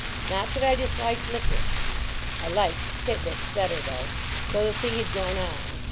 Not that I disliked liquorice. I liked Tit Bits better, though. So the thing had gone on.